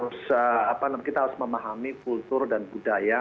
bagaimana kita harus memahami kultur dan budaya kita